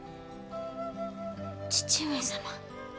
義父上様。